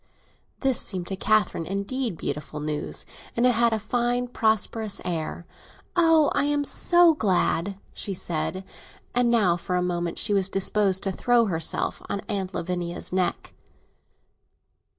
This seemed to Catherine indeed beautiful news; it had a fine prosperous air. "Oh, I'm so glad!" she said; and now, for a moment, she was disposed to throw herself on Aunt Lavinia's neck.